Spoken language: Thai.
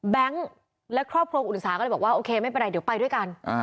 และครอบครัวอุตสาก็เลยบอกว่าโอเคไม่เป็นไรเดี๋ยวไปด้วยกัน